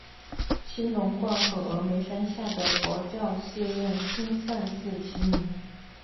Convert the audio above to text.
兴隆观和峨嵋山下的佛教寺院兴善寺齐名。